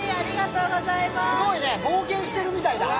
すごいね、冒険してるみたいだ。